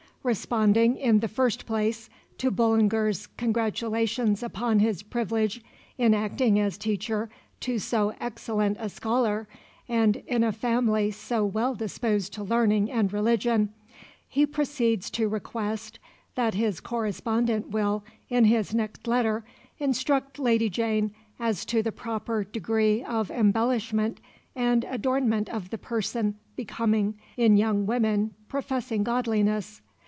Responding, in the first place, to Bullinger's congratulations upon his privilege in acting as teacher to so excellent a scholar, and in a family so well disposed to learning and religion, he proceeds to request that his correspondent will, in his next letter, instruct Lady Jane as to the proper degree of embellishment and adornment of the person becoming in young women professing godliness.